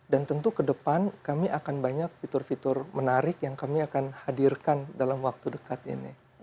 dan tentu kedepan kami akan banyak fitur fitur menarik yang kami akan hadirkan dalam waktu dekat ini